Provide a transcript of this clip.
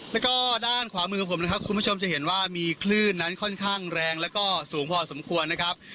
แล้วก็ด้านขวามือของผมนะครับคุณผู้ชมจะเห็นว่ามีคลื่นนั้นค่อนข้างแรงแล้วก็สูงพอสมควรนะครับ